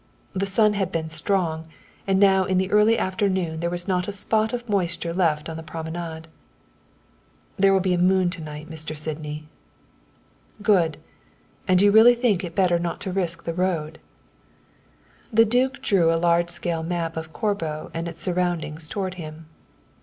The sun had been strong, and now in the early afternoon there was not a spot of moisture left on the promenade. "There will be a moon to night, Mr. Sydney." "Good and you really think it better not to risk the road?" The duke drew a large scale map of Corbo and its surroundings towards him.